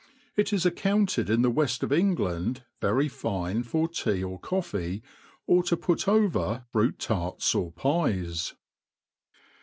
It is ac counted in the Weft of England very fine for tea or coffee, of to put over fruit tarts or pies.